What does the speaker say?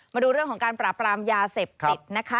มาดูเรื่องของการปราบรามยาเสพติดนะคะ